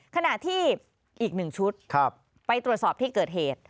ขณะที่อีก๑ชุดไปตรวจสอบที่เกิดเหตุ